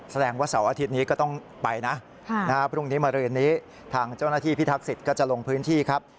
แสดงว่าเสาร์อาทิตย์นี้ก็ต้องไปนะพรุ่งนี้มารืนนี้ทางเจ้าหน้าที่พิทักษิตก็จะลงพื้นที่ครับ